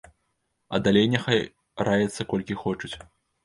А далей няхай раяцца колькі хочуць.